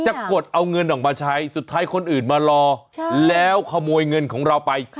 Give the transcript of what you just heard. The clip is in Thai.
กดเอาเงินออกมาใช้สุดท้ายคนอื่นมารอแล้วขโมยเงินของเราไป